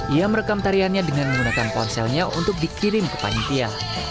ia merekam tariannya dengan menggunakan ponselnya untuk dikirim ke panitia